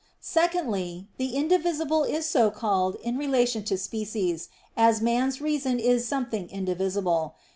Secondly, the indivisible is so called in relation to species, as man's reason is something indivisible.